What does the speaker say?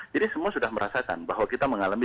jadi semua sudah merasakan bahwa kita mengalami